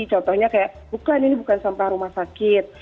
contohnya kayak bukan ini bukan sampah rumah sakit